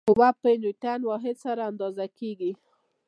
قوه په نیوټن واحد سره اندازه کېږي.